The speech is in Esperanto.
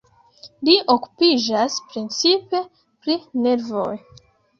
Li okupiĝas precipe pri nervoj.